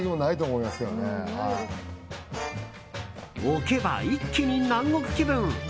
置けば一気に南国気分。